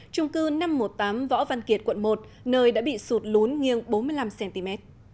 trung cư năm trăm một mươi tám võ văn kiệt quận một nơi đã bị sụt lún nghiêng bốn mươi năm cm